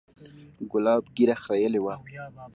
ګلاب ږيره خرييلې وه.